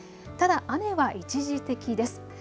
ただ雨は一時的です。